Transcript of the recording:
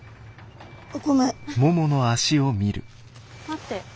待って。